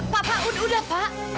pak pak udah pak